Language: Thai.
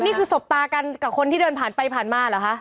นี่คือสบตากันกับคนที่เดินผ่านไปผ่านมาเหรอคะ